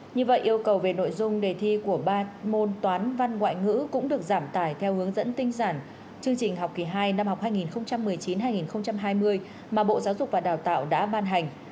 như vậy yêu cầu về nội dung đề thi của ba môn toán văn ngoại ngữ cũng được giảm tải theo hướng dẫn tinh sản chương trình học kỳ hai năm học hai nghìn một mươi chín hai nghìn hai mươi mà bộ giáo dục và đào tạo đã ban hành